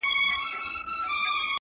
فقير نه يمه سوالگر دي اموخته کړم،